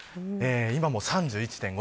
今もう、３１．５度。